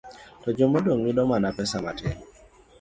to joma odong ' yudo mana pesa matin.